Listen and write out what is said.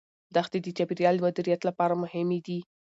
دښتې د چاپیریال مدیریت لپاره مهمې دي.